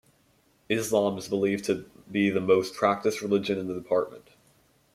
Islam is believed to be the most practiced religion in the department.